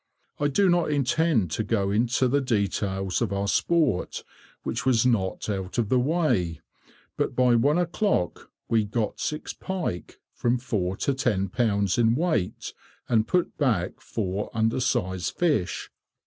I do not intend to go into the details of our sport, which was not out of the way, but by one o'clock we got six pike, from four to ten pounds in weight, and put back four under sized fish.